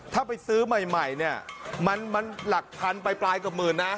ถ้าไปซื้อใหม่เนี่ยมันหลักพันไปปลายเกือบหมื่นนะ